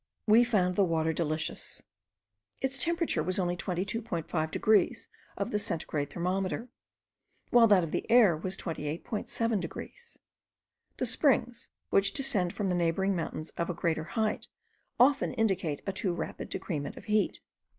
We found the water delicious. Its temperature was only 22.5 degrees of the centigrade thermometer, while that of the air was 28.7 degrees. The springs which descend from the neighbouring mountains of a greater height often indicate a too rapid decrement of heat.